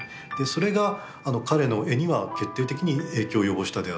それが彼の絵には決定的に影響を及ぼしたであろうと思うんですね。